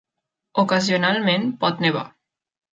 Ocasionalment, pot nevar.